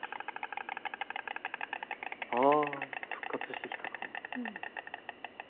ああ復活してきたかも。